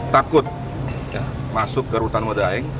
takut masuk ke rutan medaeng